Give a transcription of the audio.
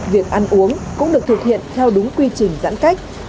việc ăn uống cũng được thực hiện theo đúng quy trình giãn cách